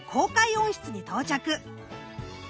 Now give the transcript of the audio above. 温室に到着。